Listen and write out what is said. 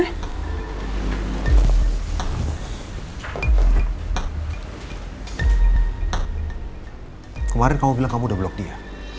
kemarin kamu bilang kamu udah blok dia